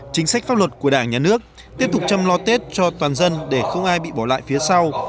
chính sách pháp luật của đảng nhà nước tiếp tục chăm lo tết cho toàn dân để không ai bị bỏ lại phía sau